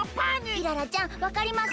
イララちゃんわかります？